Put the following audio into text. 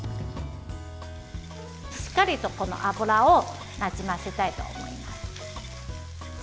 しっかりと、この油をなじませたいと思います。